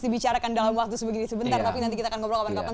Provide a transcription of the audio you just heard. dibicarakan dalam waktu sebegini sebentar tapi nanti kita akan ngobrol kapan kapan